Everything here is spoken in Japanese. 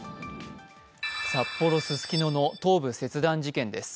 札幌・ススキノの頭部切断事件です。